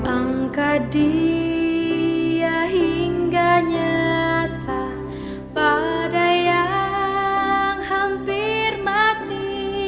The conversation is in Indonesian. angka dia hingga nyata pada yang hampir mati